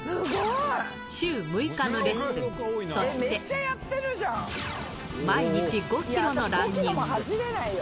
週６日のレッスン、そして、毎日５キロのランニング。